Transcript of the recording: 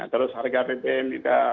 terus harga ppm juga